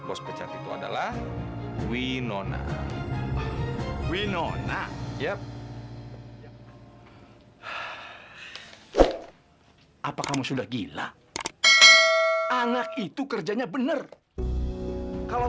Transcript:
bos pecat itu adalah winona winona ya apa kamu sudah gila anak itu kerjanya benar kalau